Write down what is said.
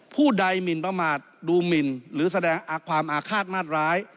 ผู้ใดมิลปดูสินมิลหรือแสดงความอาฆาตมาดร้าย